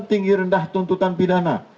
tinggi rendah tuntutan bidana